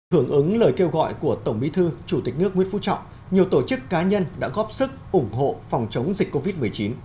hưởng ứng lời kêu gọi của tổng bí thư chủ tịch nước nguyễn phú trọng nhiều tổ chức cá nhân đã góp sức ủng hộ phòng chống dịch covid một mươi chín